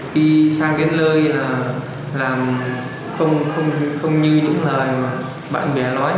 khi sang đến nơi là làm không như những lời bạn bè nói